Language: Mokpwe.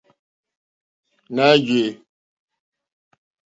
Ná jè.